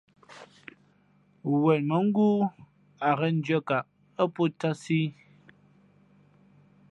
̈wen mα̌ ngóó a ghěn ndʉ̄αkaʼ ά pō cātsī í .